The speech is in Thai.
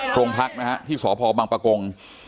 โครงพักที่สพบังปะกง